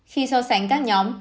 khi so sánh các nhóm